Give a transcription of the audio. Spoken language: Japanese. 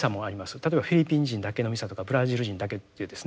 例えばフィリピン人だけのミサとかブラジル人だけというですね。